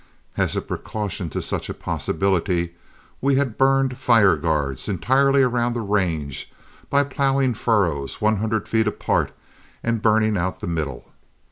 As a precaution to such a possibility we had burned fire guards entirely around the range by plowing furrows one hundred feet apart and burning out the middle.